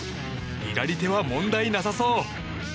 左手は問題なさそう。